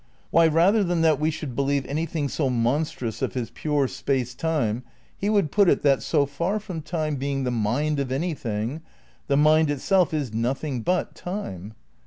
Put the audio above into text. Why, rather than that we should believe anything so monstrous of his pure Space Time he would put it that, so far from Time being the mind of anything, the mind itself is nothing but time.